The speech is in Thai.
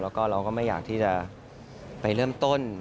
แล้วก็เราก็ไม่อยากที่จะไปเริ่มต้น